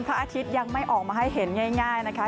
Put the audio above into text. อาทิตย์ยังไม่ออกมาให้เห็นง่ายนะคะ